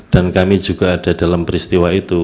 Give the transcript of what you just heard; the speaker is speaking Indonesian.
dan kami juga ada dalam peristiwa itu